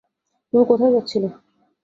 তুমি কোথায় যাচ্ছিলে?